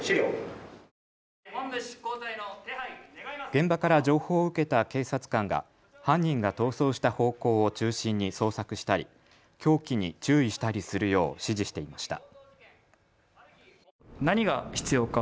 現場から情報を受けた警察官が犯人が逃走した方向を中心に捜索したり凶器に注意したりするよう指示していました。